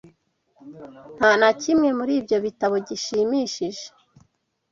Nta na kimwe muri ibyo bitabo gishimishije.